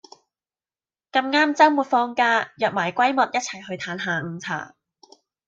啱晒週末放假約埋閨密一齊去歎下午茶